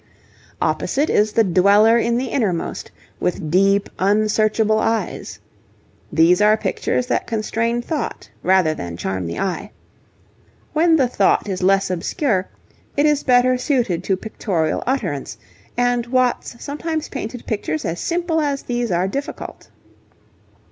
Opposite is the 'Dweller in the Innermost,' with deep, unsearchable eyes. These are pictures that constrain thought rather than charm the eye. When the thought is less obscure, it is better suited to pictorial utterance, and Watts sometimes painted pictures as simple as these are difficult.